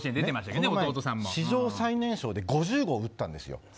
史上最年少で５０号打ったんです。